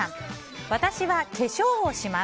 私は化粧をします。